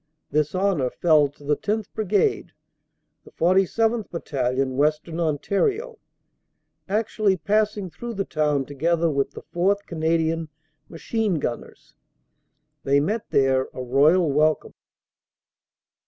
This honor fell to the 10th. Brigade, the 47th. Battalion, Western Ontario, actually passing through the town together with the 4th. Canadian Machine Gunners. They met there a royal welcome.